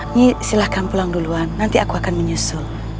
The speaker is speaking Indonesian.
ini silahkan pulang duluan nanti aku akan menyusul